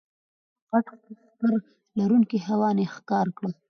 غټ ښکر لرونکی حیوان یې ښکار کړ.